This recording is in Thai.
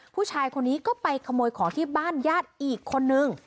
ผู้ชายคนนี้ก็ไปขโมยของที่บ้านญาติอีกคนนึง